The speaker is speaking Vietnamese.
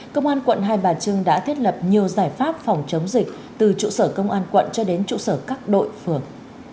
công an quận hai bà trưng đã thiết lập nhiều giải pháp phòng chống dịch từ trụ sở công an quận cho đến trụ sở các đội phường